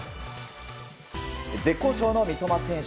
絶好調の三笘選手